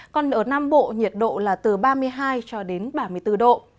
còn ở nam bộ nhiệt độ là từ ba mươi hai cho đến ba mươi bốn độ